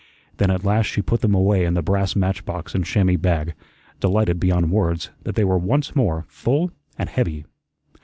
Then at last she put them away in the brass match box and chamois bag, delighted beyond words that they were once more full and heavy.